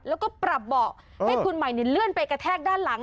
แล้วก็ปรับเบาะให้คุณใหม่เลื่อนไปกระแทกด้านหลัง